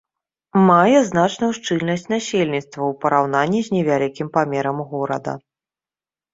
Мае значную шчыльнасць насельніцтва, у параўнанні з невялікім памерам горада.